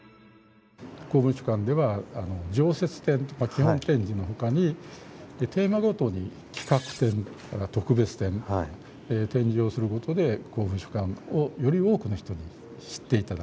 公文書館では常設展と基本展示のほかにテーマごとに企画展特別展展示をすることで公文書館をより多くの人に知って頂く見て頂くような機会を作ると。